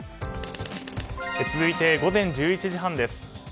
続いて午前１０時半です。